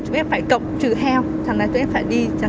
tụi em phải cọc trừ heo thành ra tụi em phải